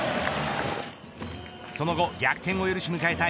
その後、逆転を許し迎えた